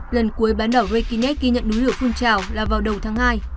lần cuối bán đỏ reykjanes ghi nhận núi lửa phun trào là vào đầu tháng hai